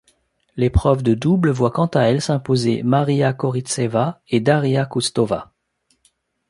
L'épreuve de double voit quant à elle s'imposer Mariya Koryttseva et Darya Kustova.